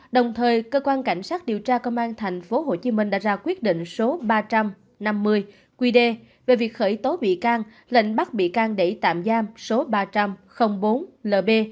đồng thời cơ quan cảnh sát điều tra công an tp hcm đã ra quyết định số ba trăm năm mươi qd về việc khởi tố bị can lệnh bắt bị can để tạm giam số ba trăm linh bốn lb